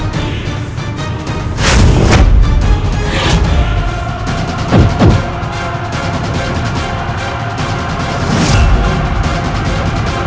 dia selalu saja membuatku marah